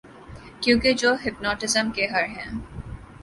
کیونکہ جو ہپناٹزم کے ہر ہیں